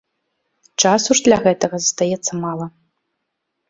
Часу ж для гэтага застаецца мала.